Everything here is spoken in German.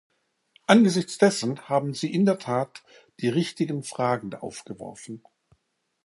Angesichts dessen haben Sie in der Tat die richtigen Fragen aufgeworfen.